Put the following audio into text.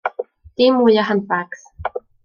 Dim mwy o handbags.